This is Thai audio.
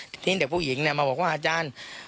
ที่เห็นแต่ผู้หญิงมาบอกว่าอาจารย์